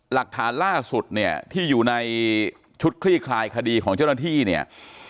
หลักฐานล่าสุดเนี่ยที่อยู่ในชุดคลี่คลายคดีของเจ้าหน้าที่เนี่ย